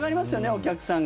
お客さんが。